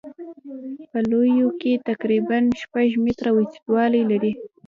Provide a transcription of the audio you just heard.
په لویانو کې تقریبا شپږ متره اوږدوالی لري.